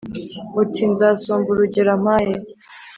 Uti : nzasumba urugero ampaye.